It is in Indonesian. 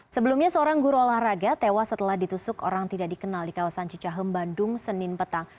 sebelumnya seorang guru olahraga tewas setelah ditusuk orang tidak dikenal di kawasan cicahem bandung senin petang